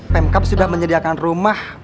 pemkap sudah menyediakan rumah